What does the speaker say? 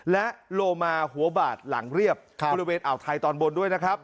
และโลมาหัวบาดหลังเรียบบริเวณอ่าวไทยตอนบนด้วยนะครับ